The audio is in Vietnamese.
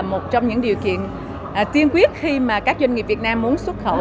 một trong những điều kiện tiên quyết khi mà các doanh nghiệp việt nam muốn xuất khẩu